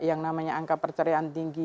yang namanya angka perceraian tinggi